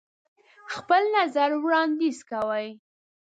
خپل نظر وړاندیز کوئ.